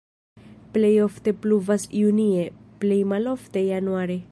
Plej ofte pluvas junie, plej malofte januare.